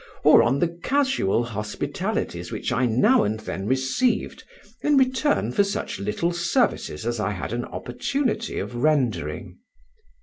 or on the casual hospitalities which I now and then received in return for such little services as I had an opportunity of rendering.